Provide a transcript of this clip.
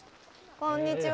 こんにちは。